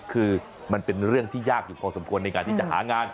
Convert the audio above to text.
คือมันเป็นเรื่องที่ยากอยู่พอสมควรในการที่จะหางาน